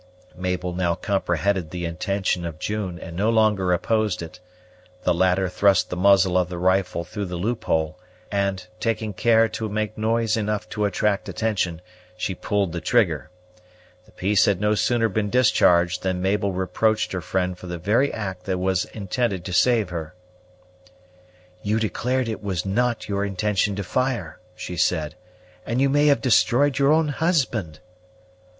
Mabel now comprehended the intention of June, and no longer opposed it. The latter thrust the muzzle of the rifle through the loophole; and, taking care to make noise enough to attract attraction, she pulled the trigger. The piece had no sooner been discharged than Mabel reproached her friend for the very act that was intended to serve her. "You declared it was not your intention to fire," she said, "and you may have destroyed your own husband."